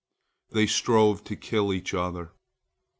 They strove to kill each other.